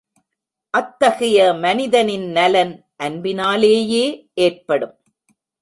அத்தகைய மனிதனின் நலன் அன்பினாலேயே ஏற்படும்.